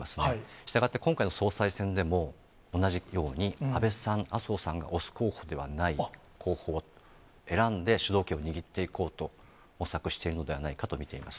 したがって今回の総裁選でも、同じように、安倍さん、麻生さんが推す候補ではない候補を選んで、主導権を握っていこうと模索しているのではないかと見ています。